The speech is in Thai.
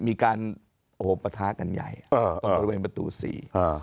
มีการโอ้โหปะทะกันใหญ่เออตรงบริเวณประตูสี่อ่า